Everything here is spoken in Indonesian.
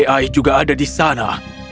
ai juga ada di sana